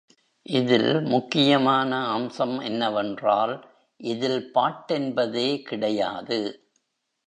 இதில் முக்கியமான அம்சம் என்னவென்றால், இதில் பாட்டென்பதே கிடையாது.